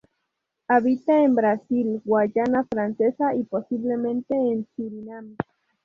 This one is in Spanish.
Habita en Brasil, Guayana Francesa y posiblemente en Surinam.